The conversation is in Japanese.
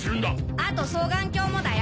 あと双眼鏡もだよ。